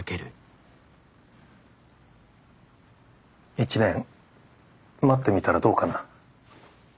１年待ってみたらどうかな？